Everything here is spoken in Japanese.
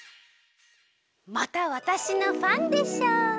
またわたしのファンでしょう。